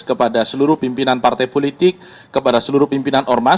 kepada seluruh pimpinan partai politik kepada seluruh pimpinan ormas